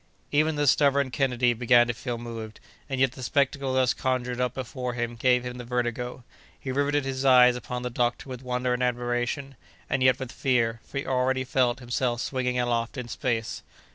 Even the stubborn Kennedy began to feel moved, and yet the spectacle thus conjured up before him gave him the vertigo. He riveted his eyes upon the doctor with wonder and admiration, and yet with fear, for he already felt himself swinging aloft in space.